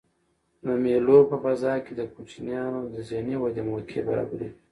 د مېلو په فضا کښي د کوچنيانو د ذهني ودي موقع برابریږي.